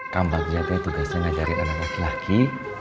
kang bagja tuh tugasnya ngajarin anak laki laki